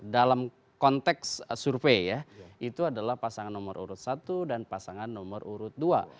dalam konteks survei ya itu adalah pasangan nomor urut satu dan pasangan nomor urut dua